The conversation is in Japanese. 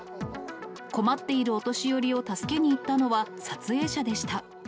困っているお年寄りを助けに行ったのは、撮影者でした。